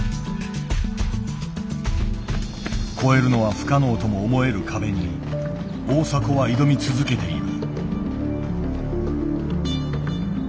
越えるのは不可能とも思える壁に大迫は挑み続けている。